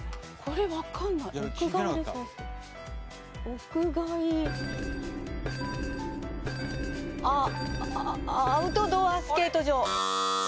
屋外アアウトドアスケート場。